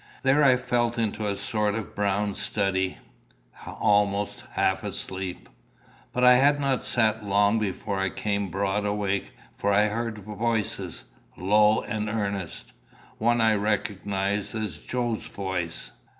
There I fell into a sort of brown study almost a half sleep. But I had not sat long before I came broad awake, for I heard voices, low and earnest. One I recognised as Joe's voice.